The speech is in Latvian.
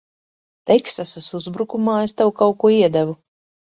Teksasas uzbrukumā es tev kaut ko iedevu.